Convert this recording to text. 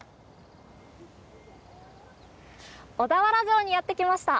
小田原城にやってきました！